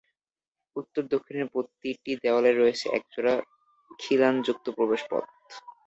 উত্তর দক্ষিণের প্রতিটি দেয়ালে রয়েছে এক জোড়া খিলানযুক্ত প্রবেশপথ।